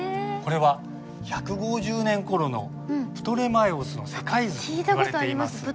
これは１５０年ごろのプトレマイオスの世界図といわれています。